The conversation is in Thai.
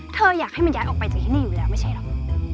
อยากให้มันย้ายออกไปจากที่นี่อยู่แล้วไม่ใช่หรอก